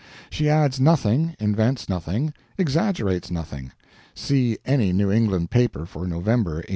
She adds nothing, invents nothing, exaggerates nothing (see any New England paper for November, 1869).